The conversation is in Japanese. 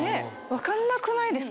分かんなくないですか？